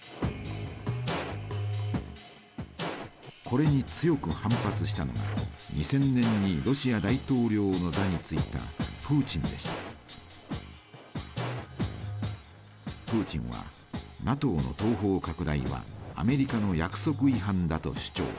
これに強く反発したのが２０００年にロシア大統領の座に就いたプーチンはＮＡＴＯの東方拡大はアメリカの約束違反だと主張。